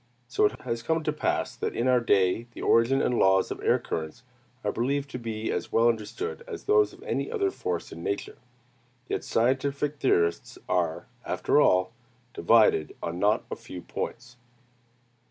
So it has come to pass that in our day the origin and laws of air currents are believed to be as well understood as those of any other forces in nature. Yet scientific theorists are, after all, divided on not a few points.